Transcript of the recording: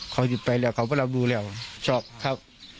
เขาหยิบไปแล้วเขาก็รับรู้แล้วชอบครับ